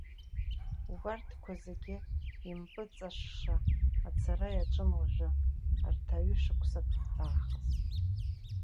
Убарҭқәа зегьы импыҵашша ацара иаҿын уажәы, арҭ аҩышықәсак раахыс.